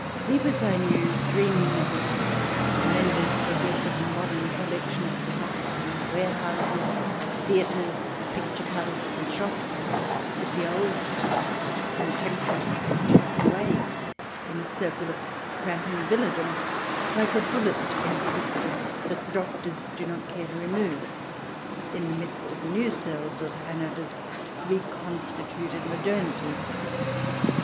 He was, I knew, dreaming of the splendid, progressive modern collection of parks and warehouses, theatres, picture palaces, and shops, with the " old part " con temptuously tucked away in a circle of cramping villadom — like a bullet encysted that the doctors do not care to remove — in the midst of the new cells of Hanover's reconstituted modernity.